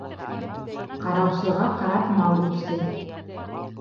Ҡараусыға ҡарап мал үрсей.